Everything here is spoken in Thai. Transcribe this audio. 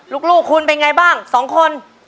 ลูกลูกคุณเป็นไงบ้าง๒คน